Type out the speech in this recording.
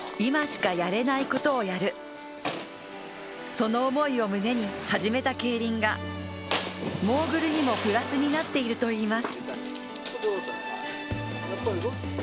その思いを胸に始めた競輪がモーグルにもプラスになっているといいます。